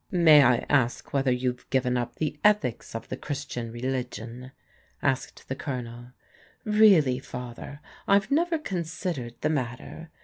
" May I ask whether you've given up the ethics of the Christian religion ?" asked the Colonel. " Really, Father, I've never considered the matter.